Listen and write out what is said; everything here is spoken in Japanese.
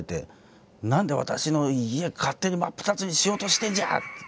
「何で私の家勝手に真っ二つにしようとしてんじゃ！」。